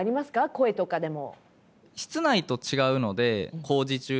声とかでも。